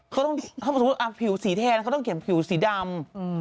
เขาต้องถ้าสมมุติผิวสีแทนเขาต้องเขียนผิวสีดำ